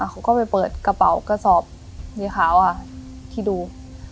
เขาก็ไปเปิดกระเป๋ากระสอบสีขาวค่ะที่ดู